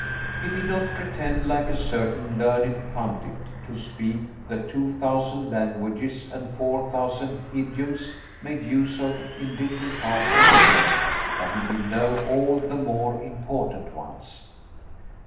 He did not pretend, like a certain learned pundit, to speak the two thousand languages and four thousand idioms made use of in different parts of the globe, but he did know all the more important ones.